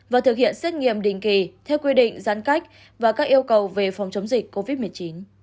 và thực hiện xét nghiệm định kỳ theo quy định giãn cách và các yêu cầu về phòng chống dịch covid một mươi chín